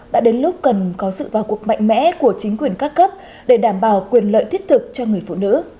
đã đến lúc cần có sự vào cuộc mạnh mẽ của chính quyền các cấp để đảm bảo quyền lợi thiết thực cho người phụ nữ